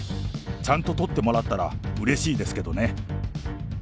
ちゃんと撮ってもらったらうれしいですけどね。